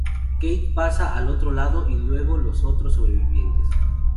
Kate pasa al otro lado y luego los otros sobrevivientes.